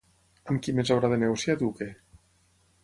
Amb qui més haurà de negociar Duque?